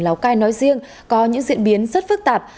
lào cai nói riêng có những diễn biến rất phức tạp